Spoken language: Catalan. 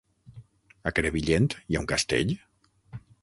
A Crevillent hi ha un castell?